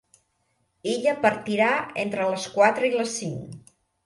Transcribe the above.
Ella partirà entre les quatre i les cinc.